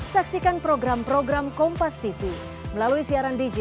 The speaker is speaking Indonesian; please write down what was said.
jadi kan arus ya arusnya gak bujang